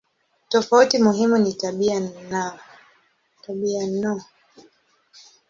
Tofauti muhimu ni tabia no.